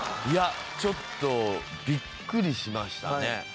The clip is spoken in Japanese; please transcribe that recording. いやちょっとビックリしましたね。